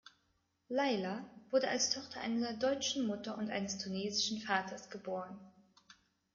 Laila wurde als Tochter einer deutschen Mutter und eines tunesischen Vaters geboren.